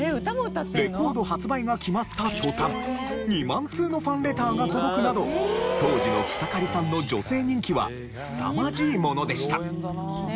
レコード発売が決まった途端２万通のファンレターが届くなど当時の草刈さんの女性人気はすさまじいものでした。